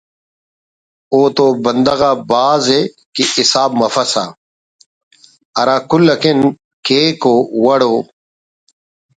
ءُ تو ہنداخہ بھاز ءِ کہ حساب مفسہ ہرا کل اکن کیک او وڑ ءُ